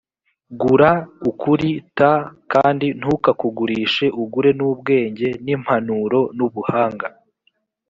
gura ukuri t kandi ntukakugurishe ugure n ubwenge n impanuro n ubuhanga